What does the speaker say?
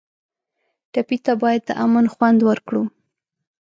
ټپي ته باید د امن خوند ورکړو.